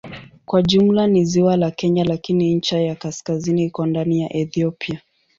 Kwa jumla ni ziwa la Kenya lakini ncha ya kaskazini iko ndani ya Ethiopia.